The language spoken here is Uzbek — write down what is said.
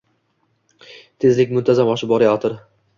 Tezlik muntazam oshib borayotir!